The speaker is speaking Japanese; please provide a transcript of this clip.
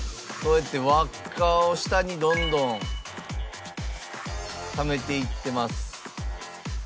こうやって輪っかを下にどんどんためていってます。